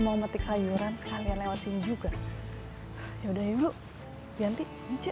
mau metik sayuran sekalian lewati juga ya udah yuk ganti